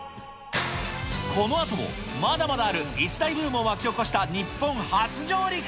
このあともまだまだある一大ブームを巻き起こした日本初上陸。